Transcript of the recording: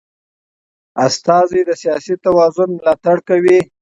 ډيپلومات د سیاسي توازن ملاتړ کوي.